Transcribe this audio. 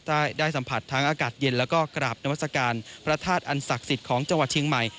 ได้สัมผัสทั้งอากาศเย็นแล้วก็กราบนวัศกาลพระธาตุอันศักดิ์สิทธิ์ของจังหวัดเชียงใหม่